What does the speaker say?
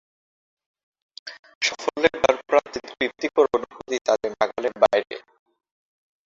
সাফল্যের দ্বারপ্রান্তের তৃপ্তিকর অনুভূতি তাদের নাগালের বাইরে।